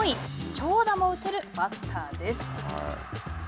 長打も打てるバッターです。